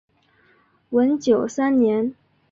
文久三年。